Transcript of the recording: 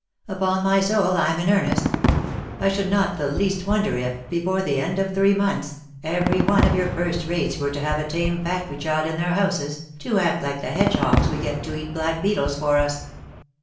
Upon my soul, I'm in earnest; I should not the least wonder if, before the end of three months, every one of your first rates were to have a tame factory child in their houses, to act like the hedgehogs we get to eat black beetles for us.